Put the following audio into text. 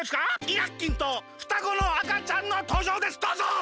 イラッキンとふたごのあかちゃんのとうじょうですどうぞ！